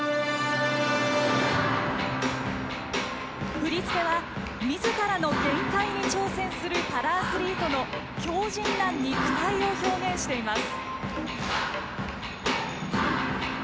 振り付けはみずからの限界に挑戦するパラアスリートの強じんな肉体を表現しています。